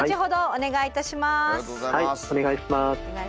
お願いします。